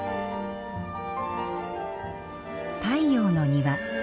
太陽の庭。